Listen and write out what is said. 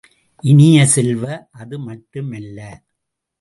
இனிய செல்வ, அது மட்டுமல்ல!